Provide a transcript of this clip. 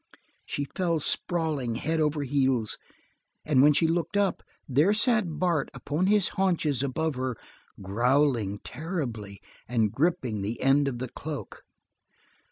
She fell sprawling, head over heels, and when she looked up, there sat Bart upon his haunches above her, growling terribly, and gripping the end of the cloak.